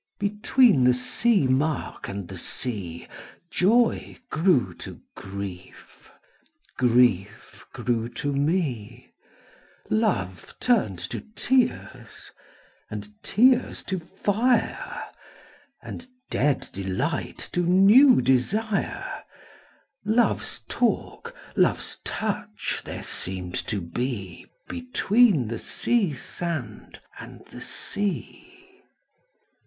┬Ā┬Ā2. ┬Ā┬ĀBetween the sea mark and the sea ┬Ā┬ĀJoy grew to grief, grief grew to me; ┬Ā┬ĀLove turned to tears, and tears to fire, ┬Ā┬ĀAnd dead delight to new desire; ┬Ā┬ĀLove's talk, love's touch there seemed to be ┬Ā┬ĀBetween the sea sand and the sea.